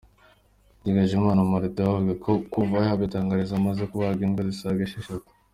Ndagijimana Martin we avuga ko kuva yabitangira, amaze kubaga imbwa zisaga isheshatu.